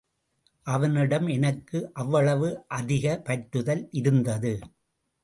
அவனிடம் எனக்கு அவ்வளவு அதிக பற்றுதல் இருந்தது.